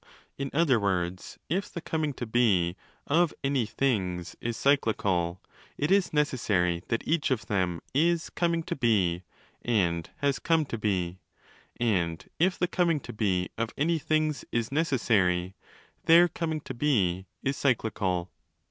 In other words, if the coming to be of any things is cyclical, it is 'necessary' that each of them is coming to be and has come to be: and if the coming to be of any things is 'necessary ', their coming to be is cyclical.